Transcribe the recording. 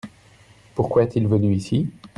Pourquoi est-il venu ici ?